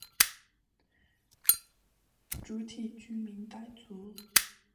主体居民傣族。